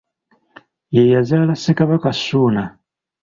Ye yazaala Ssekabaka Ssuuna .